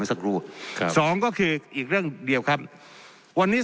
สักครู่ครับสองก็คืออีกเรื่องเดียวครับวันนี้